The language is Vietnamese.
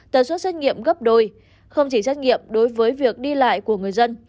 tầm soát xét nghiệm gấp đôi không chỉ xét nghiệm đối với việc đi lại của người dân